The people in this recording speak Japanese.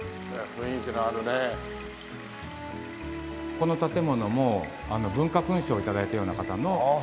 この建物も文化勲章を頂いたような方の作品なんです。